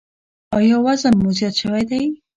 ایا وزن مو زیات شوی دی؟